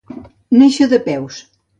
Néixer de peus.